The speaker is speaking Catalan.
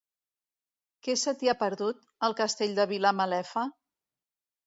Què se t'hi ha perdut, al Castell de Vilamalefa?